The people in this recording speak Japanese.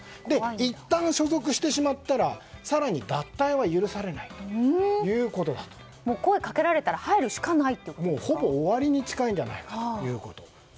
いったん所属してしまったら更に、脱退は声をかけられたらほぼ終わりに近いんじゃないかということ。